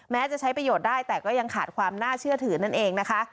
จะใช้ประโยชน์ได้แต่ก็ยังขาดความน่าเชื่อถือนั่นเองนะคะ